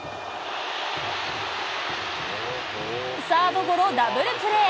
サードゴロ、ダブルプレー。